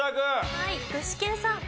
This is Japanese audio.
はい具志堅さん。